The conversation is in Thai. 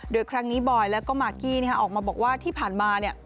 โดยครั้งนี้บอยแล้วก็มากกี้ออกมาบอกว่าที่ผ่านมา